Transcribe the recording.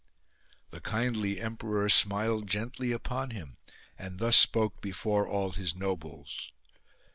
The kindly emperor smiled gently upon him and thus spoke before all his nobles.